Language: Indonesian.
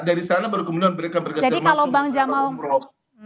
dari sana baru kemudian mereka bergeser masuk jemaah umroh